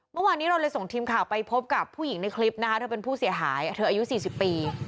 เมื่อวานนี้เราเลยส่งทีมข่าวไปพบกับผู้หญิงในคลิปนะคะเธอเป็นผู้เสียหายเธออายุ๔๐ปี